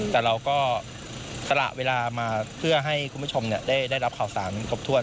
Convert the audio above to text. แต่เราก็ขละเวลามาเพื่อให้ผู้ชมได้รับเข่าสามกบทัวร์